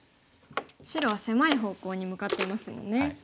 白は狭い方向に向かってますもんね。